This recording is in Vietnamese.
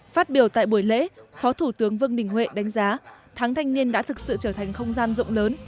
phát biểu tại buổi lễ phó thủ tướng vương đình huệ đánh giá tháng thanh niên đã thực sự trở thành không gian rộng lớn